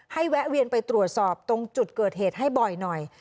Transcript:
แวะเวียนไปตรวจสอบตรงจุดเกิดเหตุให้บ่อยหน่อย